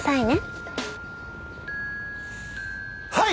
はい！